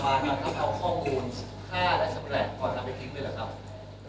เราต้องเอาข้อมูลฆ่าและสำเร็จก่อนนำไปทิ้งด้วยหรือครับ